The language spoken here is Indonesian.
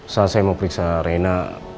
saat saya mau periksa reina